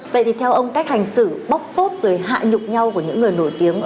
vậy thì theo ông cách hành xử bốc phốt rồi hạ nhục nhau của những người nổi tiếng